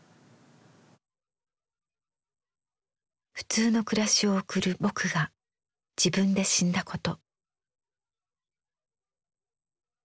普通の暮らしを送る「ぼく」が自分で死んだこと。